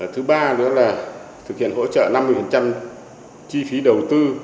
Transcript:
thứ ba nữa là thực hiện hỗ trợ năm mươi chi phí đầu tư